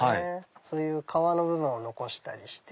そういう皮の部分を残して。